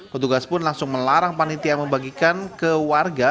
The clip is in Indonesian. petugas pun langsung melarang panitia membagikan ke warga